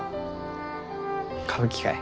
歌舞伎かえ？